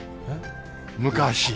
昔？